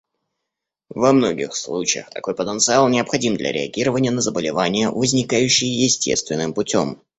Во многих случаях такой потенциал необходим для реагирования на заболевания, возникающие естественным путем.